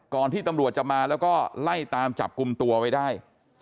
ที่ตำรวจจะมาแล้วก็ไล่ตามจับกลุ่มตัวไว้ได้